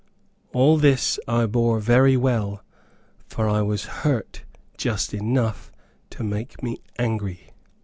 All this I bore very well, for I was hurt just enough to make me angry.